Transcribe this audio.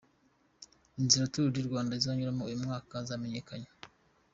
Inzira Tour du Rwanda izanyuramo uyu mwaka zamenyekanye.